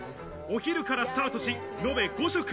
お昼からスタートし、のべ５食。